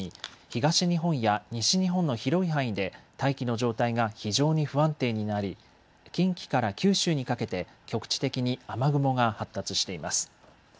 東日本や西日本の広い範囲で大気の状態が非常に不安定になり近畿から九州にかけて局地的に雨雲が発達しています。